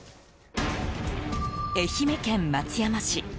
愛媛県松山市。